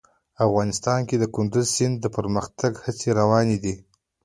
افغانستان کې د کندز سیند د پرمختګ هڅې روانې دي.